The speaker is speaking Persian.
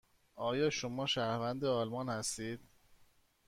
آیا شما شهروند آلمان هستید؟